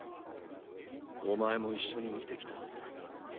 おまえも一緒に見てきたはずだ。